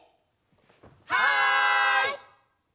はい！